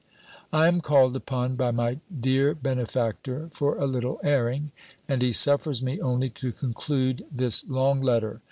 '_" I am called upon by my dear benefactor for a little airing, and he suffers me only to conclude this long letter.